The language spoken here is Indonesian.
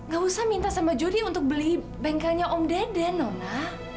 gak usah minta sama jody untuk beli bengkelnya om dede nona